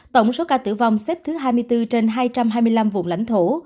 tổng số ca tử vong xếp thứ hai mươi bốn trên hai trăm hai mươi năm vùng lãnh thổ